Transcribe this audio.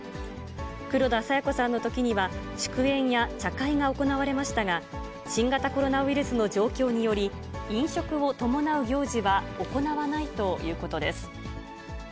黒田清子さんのときには、祝宴や茶会が行われましたが、新型コロナウイルスの状況により、飲食を伴う行事は行わないということです。